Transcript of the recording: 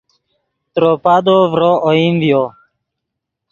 ترے پادو ڤرو اوئیم ڤیو